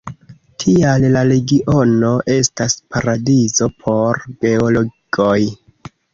Tial la regiono estas paradizo por geologoj.